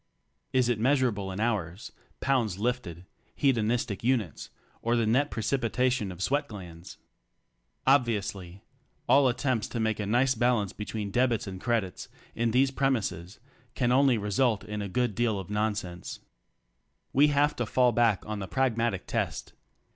Is it measurable in hours, pounds lifted, hedonistic units or the net precipitation of swcciL 2'l^"<^s ? Obviously all attempts to make a nice balance 17 between debits and credits in these premises can only result in a good deal of nonsense. We have to fall back on the pragmatic test.